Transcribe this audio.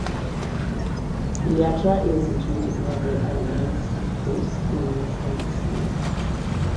Filiatra is situated near the Ionian Sea coast in western Messenia.